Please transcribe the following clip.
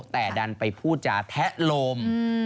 แต่ดันไปพูดจาแทะโลม